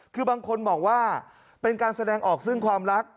คือบางคนบอกว่าเป็นการแสดงออกซึ่งความรัก